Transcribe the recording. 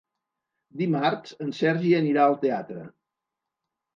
Dimarts en Sergi anirà al teatre.